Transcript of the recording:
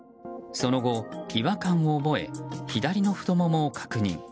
その後、違和感を覚え左の太ももを確認。